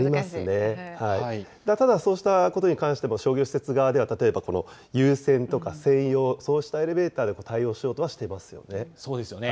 ただそうしたことに関しても商業施設側では、例えばこの優先とか専用、そうしたエレベーターそうですよね。